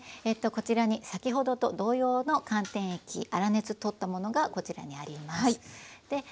こちらに先ほどと同様の寒天液粗熱取ったものがこちらにあります。